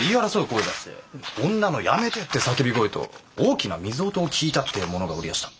声がして女の「やめて！」って叫び声と大きな水音を聞いたって者がおりやした。